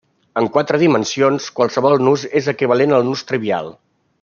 En quatre dimensions, qualsevol nus és equivalent al nus trivial.